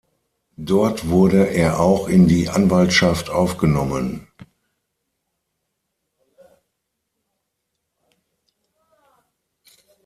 Dort wurde er auch in die Anwaltschaft aufgenommen.